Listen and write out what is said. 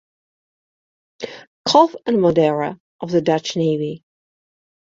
Kolff and Modera of the Dutch Navy.